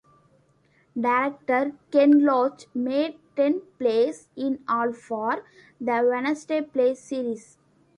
Director Ken Loach made ten plays in all for "The Wednesday Play" series.